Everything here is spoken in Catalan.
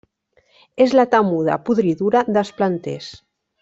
És la temuda podridura dels planters.